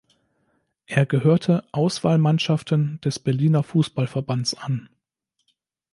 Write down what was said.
Er gehörte Auswahlmannschaften des Berliner Fußballverbands an.